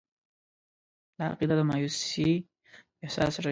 دا عقیده د مایوسي احساس رژوي.